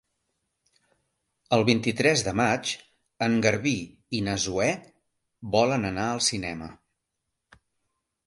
El vint-i-tres de maig en Garbí i na Zoè volen anar al cinema.